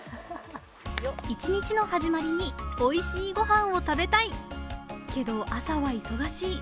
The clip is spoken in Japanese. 一日の始まりにおいしい御飯を食べたい、けど朝は忙しい。